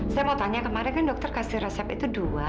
saya mau tanya kemarin kan dokter kasih resep itu dua